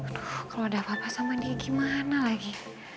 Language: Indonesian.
kalau ada apa apa sama dia gimana lagi